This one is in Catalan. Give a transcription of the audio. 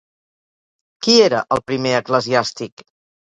Qui era el primer eclesiàstic?